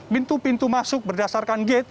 pintu pintu masuk berdasarkan gate